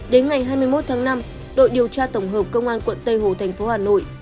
đến ngày hai mươi một tháng năm đội điều tra tổng hợp công an quận tây hồ thành phố hà nội